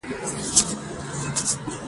هغوی یوځای د نازک غروب له لارې سفر پیل کړ.